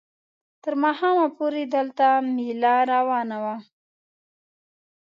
تر ماښامه پورې دلته مېله روانه وه.